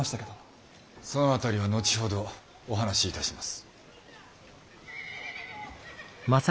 その辺りは後ほどお話しいたします。